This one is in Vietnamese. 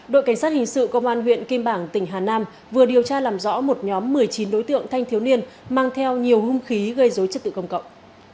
đội cảnh sát hình sự công an huyện kim bảng tỉnh hà nam vừa điều tra làm rõ một nhóm một mươi chín đối tượng thanh thiếu niên mang theo nhiều hung khí gây dối trật tự công cộng